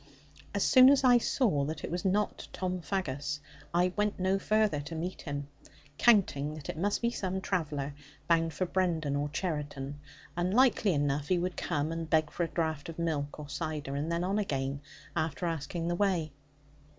As soon as I saw that it was not Tom Faggus, I went no farther to meet him, counting that it must be some traveller bound for Brendon or Cheriton, and likely enough he would come and beg for a draught of milk or cider; and then on again, after asking the way.